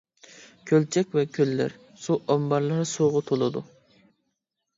كۆلچەك ۋە كۆللەر، سۇ ئامبارلىرى سۇغا تولىدۇ.